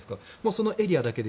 そのエリアだけで。